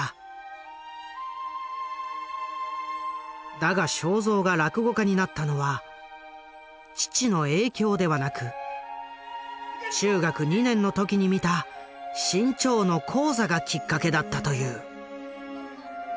だが正蔵が落語家になったのは父の影響ではなく中学２年の時に見た志ん朝の高座がきっかけだったという。